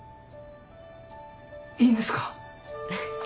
いいんですか？